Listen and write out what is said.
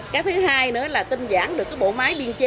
cái thứ hai nữa là tinh giản được cái bộ máy biên chế